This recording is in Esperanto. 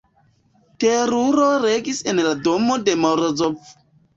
Teruro regis en la domo de Morozov.